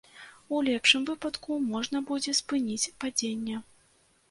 У лепшым выпадку, можна будзе спыніць падзенне.